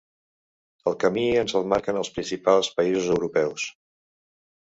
El camí ens el marquen els principals països europeus.